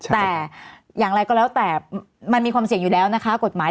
แต่อย่างไรก็แล้วแต่มันมีความเสี่ยงอยู่แล้วนะคะกฎหมาย